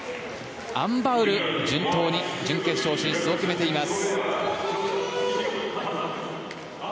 アン・バウル、順当に準決勝進出を決めています。